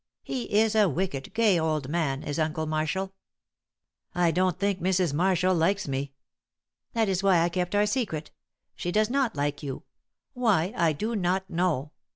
He is a wicked, gay old man, is uncle Marshall." "I don't think Mrs. Marshall likes me." "That is why I kept our secret. She does not like you; why, I do not know.